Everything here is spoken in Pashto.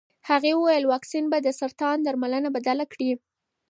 هغې وویل واکسین به د سرطان درملنه بدله کړي.